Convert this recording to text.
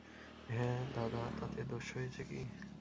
হাঁ দাদা, তাতে দোষ হয়েছে কী?